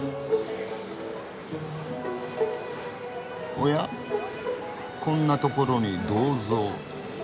おやこんなところに銅像。